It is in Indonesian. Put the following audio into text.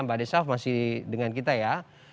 mbak desaf masih dengan kita ya